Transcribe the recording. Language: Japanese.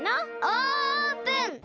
オープン！